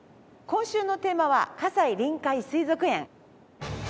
今週のテーマは「西臨海水族園」。